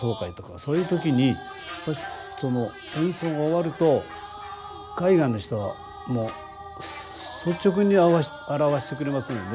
そういう時にやっぱしその演奏が終わると海外の人はもう率直に表してくれますので。